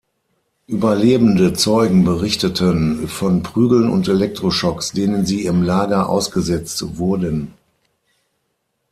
Überlebende Zeugen berichteten von Prügeln und Elektroschocks, denen sie im Lager ausgesetzt wurden.